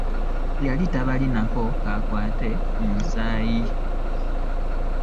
Yali tabalinaako kakwate mu musaayi.